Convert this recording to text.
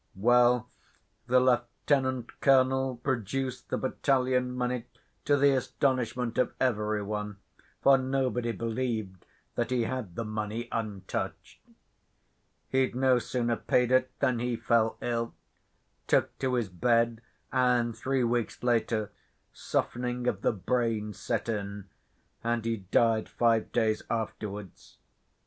"Well, the lieutenant‐colonel produced the battalion money, to the astonishment of every one, for nobody believed that he had the money untouched. He'd no sooner paid it than he fell ill, took to his bed, and, three weeks later, softening of the brain set in, and he died five days afterwards.